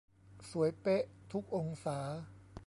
สวยเป๊ะทุกองศา